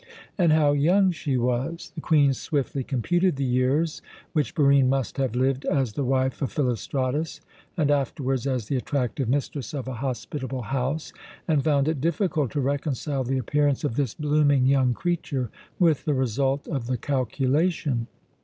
And how young she was! The Queen swiftly computed the years which Barine must have lived as the wife of Philostratus, and afterwards as the attractive mistress of a hospitable house, and found it difficult to reconcile the appearance of this blooming young creature with the result of the calculation.